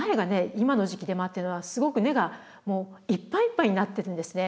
今の時期出回ってるのはすごく根がいっぱいいっぱいになってるんですね。